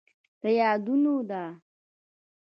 د يادونې ده،